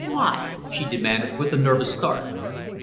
"Why?" she demanded, with a nervous start.